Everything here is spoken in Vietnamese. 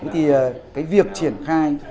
thì cái việc triển khai